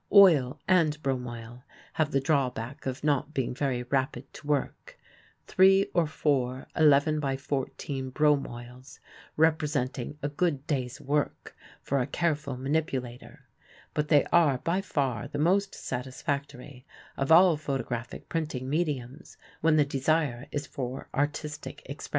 Oil and bromoil have the drawback of not being very rapid to work, three or four 11×14 bromoils representing a good day's work for a careful manipulator, but they are by far the most satisfactory of all photographic printing mediums when the desire is for artistic expression.